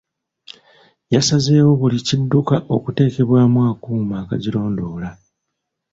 Yasazeewo buli kidduka okuteekebwemu akuuma akazirondoola.